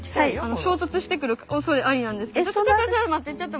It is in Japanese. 衝突してくるおそれありなんですけど。